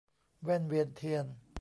แว่นเวียนเทียน